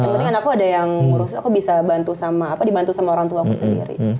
yang penting anakku ada yang ngurus aku bisa bantu sama apa dibantu sama orangtuaku sendiri